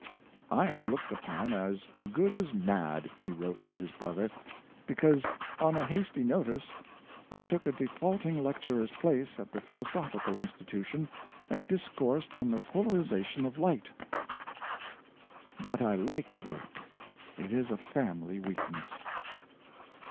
^' I am looked upon as good as mad," he wrote to his brother, " because, on a hasty notice, I took a defaulting lecturer's place at the Philosophical Institution, and discoursed on the polari zation of light. But I like work; it is a family weakness.